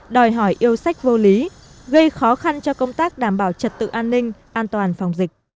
đòi hỏi yêu sách vô lý gây khó khăn cho công tác đảm bảo trật tự an ninh an toàn phòng dịch